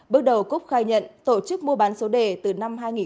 bước đầu cúc khai nhận tổ chức mua bán số đề từ năm hai nghìn một mươi tám cho đến nay